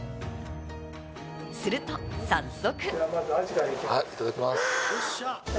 すると早速。